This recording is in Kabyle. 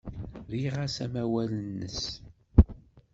Rriɣ-as amawal-nnes.